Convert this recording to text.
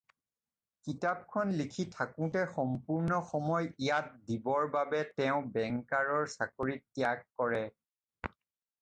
কিতাপখন লিখি থাকোঁতে সম্পূৰ্ণ সময় ইয়াত দিবৰ বাবে তেওঁ বেংকাৰৰ চাকৰি ত্যাগ কৰে।